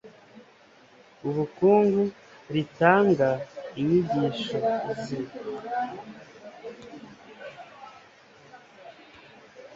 Ubukungu ritanga inyigisho z